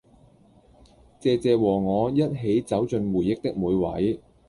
謝謝和我一起走進回憶的每位